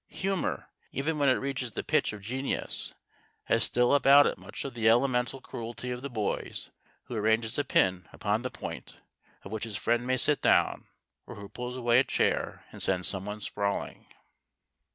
Humour, even when it reaches the pitch of genius, has still about it much of the elemental cruelty of the boy who arranges a pin upon the point of which his friend may sit down, or who pulls away a chair and sends someone sprawling.